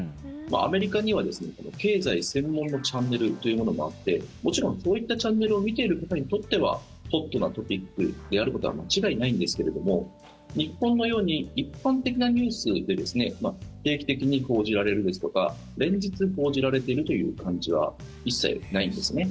アメリカには経済専門のチャンネルというものもあってもちろんこういったチャンネルを見ている方にとってはホットなトピックであることは間違いないんですけれども日本のように一般的なニュースで定期的に報じられるですとか連日報じられているという感じは一切ないんですね。